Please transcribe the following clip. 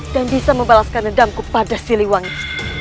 dan bisa membalaskan redamku pada siliwangi